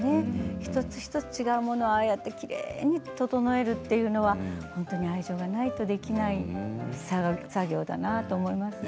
一つ一つ違うものをああやってきれいに整えるというのは本当に愛情がないとできない作業だなと思いますね。